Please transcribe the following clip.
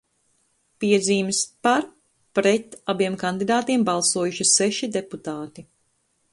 "Piezīmes: "par", "pret" abiem kandidātiem balsojuši seši deputāti."